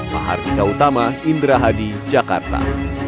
mahardika utama indra hadi jakarta